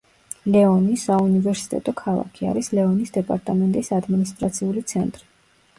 ლეონი, საუნივერსიტეტო ქალაქი, არის ლეონის დეპარტამენტის ადმინისტრაციული ცენტრი.